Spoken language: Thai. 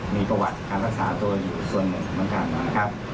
มีประวัติการรักษาตัวอยู่ส่วนหนึ่งเหมือนกันนะครับ